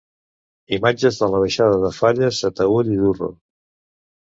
Imatges de la baixada de falles a Taüll i Durro.